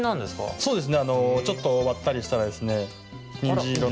そうですね。